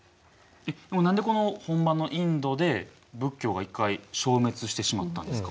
何でこの本場のインドで仏教が一回消滅してしまったんですか？